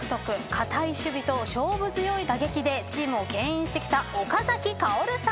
堅い守備と勝負強い打撃でチームをけん引してきた岡崎郁さん。